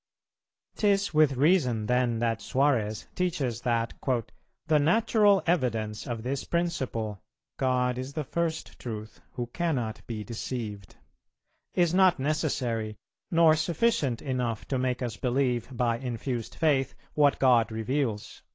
"'Tis with reason then that Suarez teaches that 'the natural evidence of this principle, God is the first truth, who cannot be deceived, is not necessary, nor sufficient enough to make us believe by infused Faith, what God reveals.'